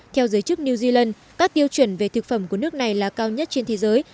theo giới chức new zealand các tiêu chuẩn về thực phẩm của nước này là cao nhất trên thế giới